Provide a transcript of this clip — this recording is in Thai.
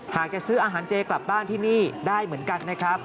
หากจะซื้ออาหารเจกลับบ้านที่นี่ได้เหมือนกันนะครับ